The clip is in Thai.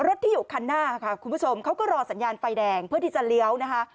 รถที่อยู่คันหน้าค่ะคุณผู้ชมเขาก็รอสัญญาณไฟแดงเพื่อที่จะเลี้ยวนะคะ